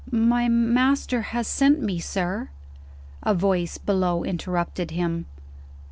"My master has sent me, sir " A voice below interrupted him.